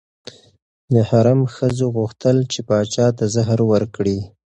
د حرم ښځو غوښتل چې پاچا ته زهر ورکړي.